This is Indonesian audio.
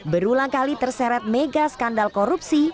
berulang kali terseret mega skandal korupsi